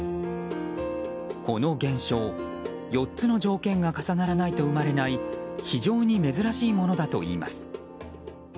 この現象、４つの条件が重ならないと生まれない非常に珍しいものだといいます。